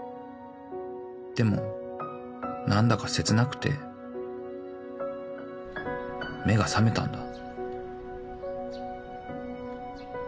［でも何だか切なくて目が覚めたんだ］